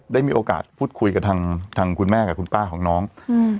ได้มีโอกาสพูดคุยกับทางทางคุณแม่กับคุณป้าของน้องอืม